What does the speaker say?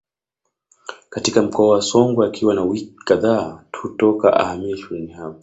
Katika mkoa wa Songwe akiwa na wiki kadhaa tu toka ahamie shuleni hapo